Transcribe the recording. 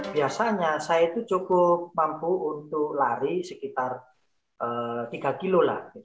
biasanya saya cukup mampu untuk lari sekitar tiga kilo